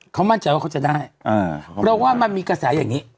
เขามั่นใจว่าเขาจะได้เพราะว่ามันมีกระแสอย่างนี้